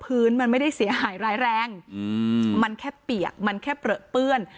พื้นมันไม่ได้เสียหายร้ายแรงอืมมันแค่เปียกมันแค่เปลือเปื้อน